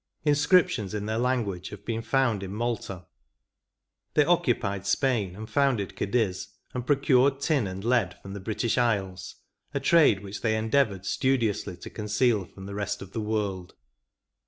Inscriptions in their language have heen found in Malta. They occupied Spain, and founded Cadiz, and procured tin and lead from the British isles, a trade which they endeavoured studiously to conceal from the rest of the world.